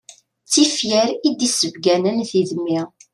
D tifyar i d-issebganen tidmi.